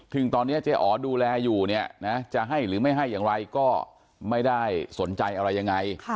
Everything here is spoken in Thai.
ถึงตอนนี้เจ๊อ๋อดูแลอยู่เนี่ยนะจะให้หรือไม่ให้อย่างไรก็ไม่ได้สนใจอะไรยังไง